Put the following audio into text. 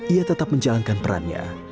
ia tetap menjalankan perannya